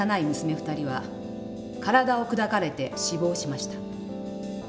２人は体を砕かれて死亡しました。